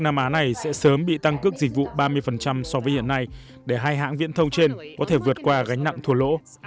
nam á này sẽ sớm bị tăng cước dịch vụ ba mươi so với hiện nay để hai hãng viễn thông trên có thể vượt qua gánh nặng thua lỗ